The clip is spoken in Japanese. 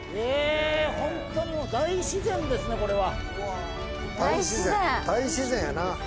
ホントに大自然ですね、これは。